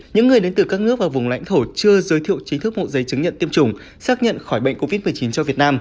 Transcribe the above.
những người đến từ các nước và vùng lãnh thổ chưa giới thiệu chính thức mẫu giấy chứng nhận tiêm chủng xác nhận khỏi bệnh covid một mươi chín cho việt nam